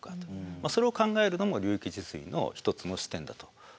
まあそれを考えるのも流域治水の一つの視点だというふうに思ってます。